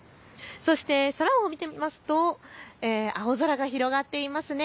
そして空を見てみますと青空が広がっていますね。